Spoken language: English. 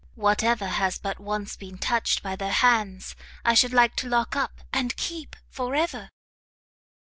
whatever has but once been touched by their hands, I should like to lock up, and keep for ever!